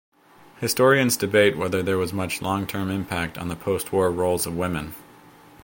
Historians debate whether there was much long-term impact on the postwar roles of women.